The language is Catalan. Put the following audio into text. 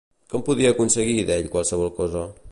Com podia aconseguir d'ell qualsevol cosa?